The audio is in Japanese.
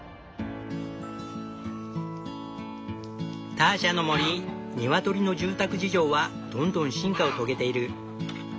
ターシャの森ニワトリの住宅事情はどんどん進化を遂げている。